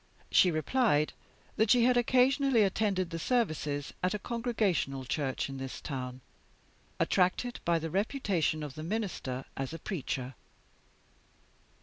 She replied that she had occasionally attended the services at a Congregational Church in this town; attracted by the reputation of the Minister as a preacher.